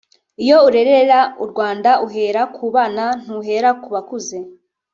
iyo urerera u Rwanda uhera ku bana ntuhera ku bakuze